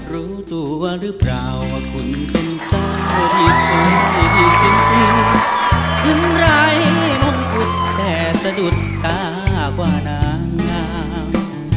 รู้ตัวหรือเปล่าว่าคุณเป็นเจ้าที่สุดที่ที่จริงจึงไหลมงคุดแท้สะดุดตากว่านางงาม